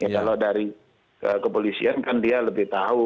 kalau dari kepolisian kan dia lebih tahu